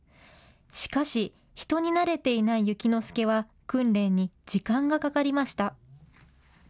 しかし、人に慣れていないゆきのすけは訓練に時間がかかりました。